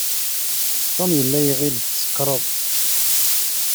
Tom yella iɣill tsekṛeḍ.